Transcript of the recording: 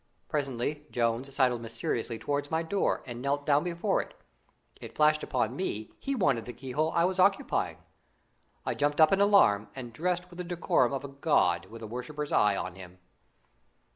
Presently Jones sidled mysteriously towards my door and knelt down before it. It flashed upon me he wanted the keyhole I was occupying. I jumped up in alarm, and dressed with the decorum of a god with a worshipper's eye on him.